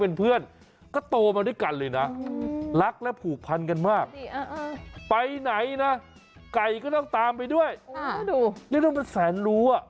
นี่มันแต่แสนลุ